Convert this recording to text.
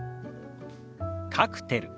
「カクテル」。